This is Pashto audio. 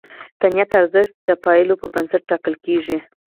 د نیت ارزښت د پایلو پر بنسټ ټاکل کېږي.